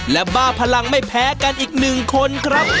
และบ้าพลังไม่แพ้กันอีกหนึ่งคนครับ